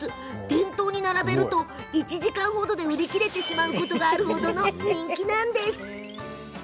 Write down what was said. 店頭に並べると１時間ほどで売り切れてしまうほどの人気です。